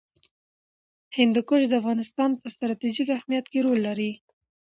هندوکش د افغانستان په ستراتیژیک اهمیت کې رول لري.